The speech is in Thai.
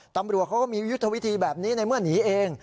ตำรวจเขาก็มียุทธวิธีแบบนี้ในเมื่อหนีเอง